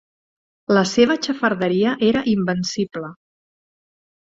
La seva xafarderia era invencible.